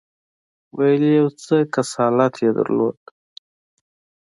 ویل یې یو څه کسالت یې درلود.